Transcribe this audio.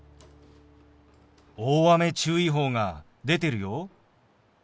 大雨注意報が出てるよ。